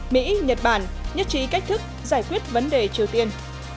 mỹ nhật bản nhất trí cách thức giải quyết vấn đề triều tiên